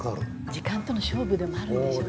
時間との勝負でもあるんでしょうね。